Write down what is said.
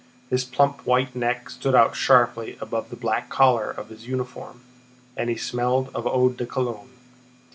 His plump white neck stood out sharply above the black collar of his uniform, and he smelled of Eau de Cologne.